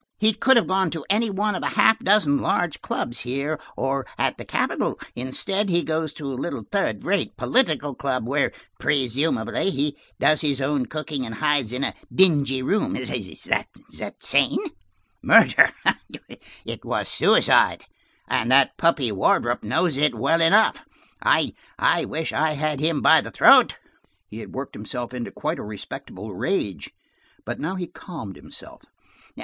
He could have gone to any one of a half dozen large clubs here, or at the capital. Instead, he goes to a little third rate political club, where, presumably, he does his own cooking and hides in a dingy room. Is that sane? Murder! It was suicide, and that puppy Wardrop knows it well enough. I–I wish I had him by the throat!" He had worked himself into quite a respectable rage, but now he calmed himself.